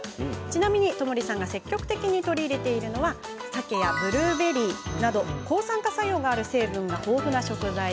ちなみに、友利さんが積極的に取り入れているのはさけやブルーベリーなど抗酸化作用のある成分が豊富な食材。